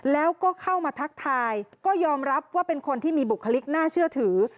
แล้วก็เข้ามาทักทายก็ยอมรับว่าเป็นคนที่มีบุคลิกน่าเชื่อถือ